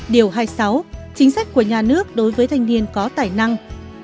điều hai mươi sáu chính sách của nhà nước đối với thanh niên có tài năng